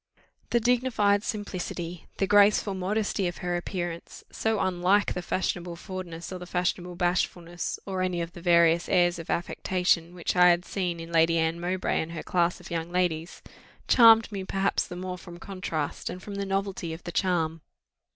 The dignified simplicity, the graceful modesty of her appearance, so unlike the fashionable forwardness or the fashionable bashfulness, or any of the various airs of affectation, which I had seen in Lady Anne Mowbray and her class of young ladies, charmed me perhaps the more from contrast and from the novelty of the charm.